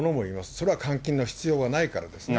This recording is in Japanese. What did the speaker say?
それは換金の必要はないからですね。